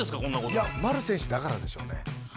いや、丸選手だからでしょうね。